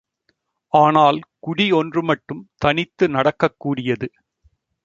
ஆனால் குடி ஒன்றுமட்டும் தனித்து நடக்கக் கூடியது.